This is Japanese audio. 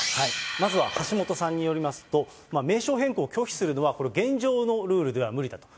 まずは橋下さんによりますと、名称変更を拒否するのはこれ、現状のルールでは無理だと。